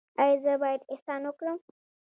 ایا زه باید احسان وکړم؟